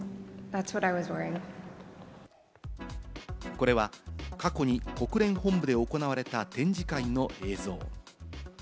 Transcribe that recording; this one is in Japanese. これは過去に国連本部で行われた展示会の映像。